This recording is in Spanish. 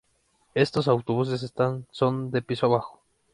Estos autobuses están son de piso bajo.